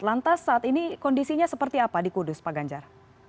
lantas saat ini kondisinya seperti apa di kudus pak ganjar